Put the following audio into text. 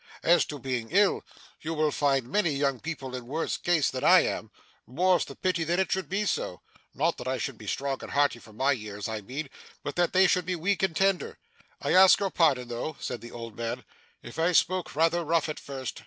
As to being ill, you will find many young people in worse case than I am. More's the pity that it should be so not that I should be strong and hearty for my years, I mean, but that they should be weak and tender. I ask your pardon though,' said the old man, 'if I spoke rather rough at first.